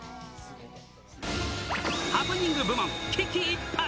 ハプニング部門、危機一髪。